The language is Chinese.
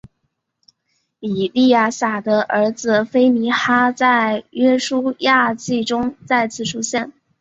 以利亚撒的儿子非尼哈在约书亚记中再次出现。